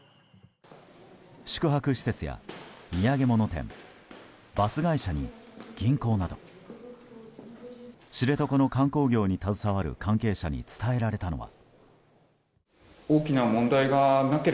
宿泊施設や土産物店バス会社に銀行など知床の観光業に携わる関係者に伝えられたのは。